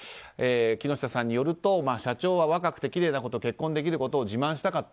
木下さんによると社長は若くてきれいな子と結婚できることを自慢したかった。